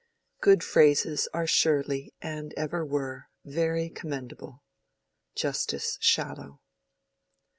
Good phrases are surely, and ever were, very commendable. —Justice Shallow.